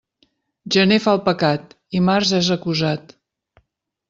Gener fa el pecat, i març és acusat.